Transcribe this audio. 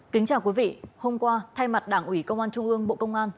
kính chào quý vị hôm qua thay mặt đảng ủy công an trung ương bộ công an